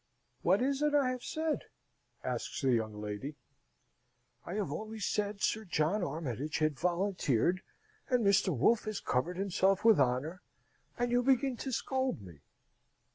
"What is it I have said?" asks the young lady. "I have only said Sir John Armytage has volunteered, and Mr. Wolfe has covered himself with honour, and you begin to scold me!